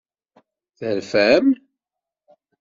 Terfam?